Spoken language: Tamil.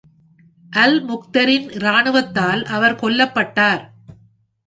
அல்-முக்தரின் இராணுவத்தால் அவர் கொல்லப்பட்டார்.